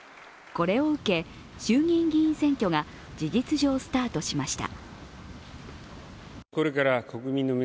これを受け、衆議院議員選挙が事実上スタートしました。